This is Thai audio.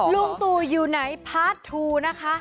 ลุงตู่อยู่ไหนพาร์ททูนะคะ